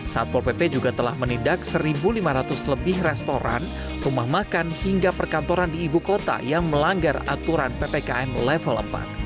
satpol pp juga telah menindak satu lima ratus lebih restoran rumah makan hingga perkantoran di ibu kota yang melanggar aturan ppkm level empat